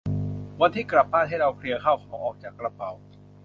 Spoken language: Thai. วันที่กลับบ้านให้เราเคลียร์ข้าวของออกจากกระเป๋า